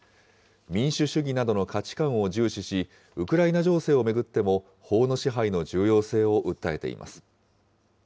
民主主義などの価値観を重視し、ウクライナ情勢を巡っても法の支配の重要性を訴えています。